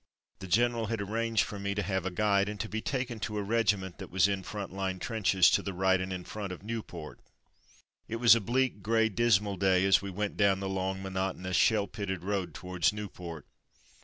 The general had arranged for me to have a guide, and to be taken to a regiment that was in front line trenches to the right and in front of Nieuport. It was a bleak, grey, dismal day as we went down the long, monotonous, shell pitted road towards Nieuport.